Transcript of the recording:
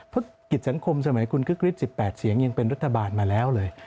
เพราะกิจสังคมสมัยคุณคึกฤทธิ๑๘เสียงยังเป็นรัฐบาลมาแล้วเลย